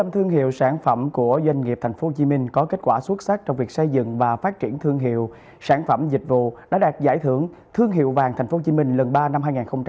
thương hiệu sản phẩm của doanh nghiệp tp hcm có kết quả xuất sắc trong việc xây dựng và phát triển thương hiệu sản phẩm dịch vụ đã đạt giải thưởng thương hiệu vàng tp hcm lần ba năm hai nghìn hai mươi